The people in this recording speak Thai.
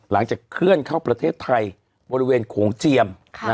หลังจากเคลื่อนเข้าประเทศไทยบริเวณข่วงเจียม